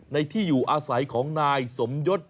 ที่อยู่อาศัยของนายสมยศ